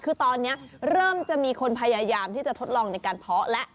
คือตอนนี้เริ่มจะมีคนพยายามที่จะทดลองในการเพาะแล้ว